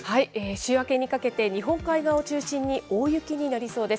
週明けにかけて、日本海側を中心に大雪になりそうです。